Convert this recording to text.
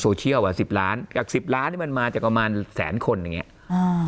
อ่ะสิบล้านจากสิบล้านนี่มันมาจากประมาณแสนคนอย่างเงี้อ่า